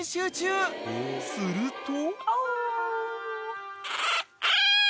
［すると］